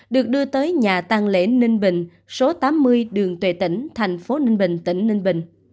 được đưa tới nhà tăng lễ ninh bình số tám mươi đường tuệ tỉnh thành phố ninh bình tỉnh ninh bình